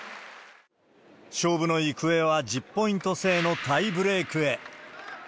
勝負の行方は、１０ポイント制のタイブレークへ。